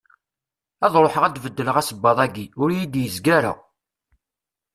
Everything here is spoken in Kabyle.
Ad ruḥeɣ ad d-beddleɣ asebbaḍ-agi, ur iyi-d-izga ara.